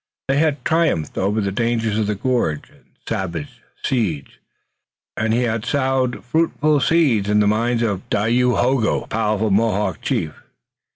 They had triumphed over the dangers of the gorge and savage siege, and he had sowed fruitful seed in the mind of Dayohogo, the powerful Mohawk chief.